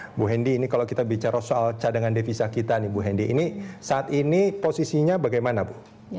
ibu hendi ini kalau kita bicara soal cadangan devisa kita nih bu hendy ini saat ini posisinya bagaimana bu